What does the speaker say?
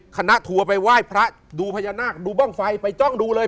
ทัวร์ไปไหว้พระดูพญานาคดูบ้างไฟไปจ้องดูเลย